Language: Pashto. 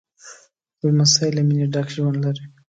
لمسی له مینې ډک ژوند لري.